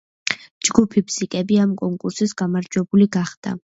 ჯგუფი „ბზიკები“ ამ კონკურსის გამარჯვებული გახდა.